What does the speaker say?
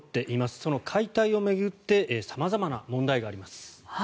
その解体を巡って様々な問題があります。